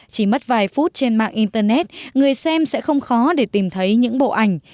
chỉ mất vài phút trên mạng internet người xem sẽ không khó để tìm thấy những bộ ảnh